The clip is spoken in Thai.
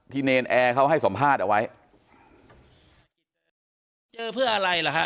เนรนแอร์เขาให้สัมภาษณ์เอาไว้เจอเพื่ออะไรล่ะฮะ